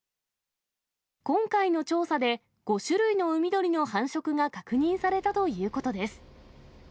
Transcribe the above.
今回の調査で、５種類の海鳥の繁殖が確認されたということです。